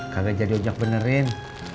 kagak jadi ojak benerin